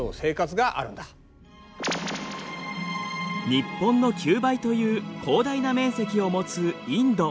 日本の９倍という広大な面積を持つインド。